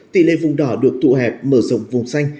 tỷ lệ vùng đỏ được tụ hẹp mở rộng vùng xanh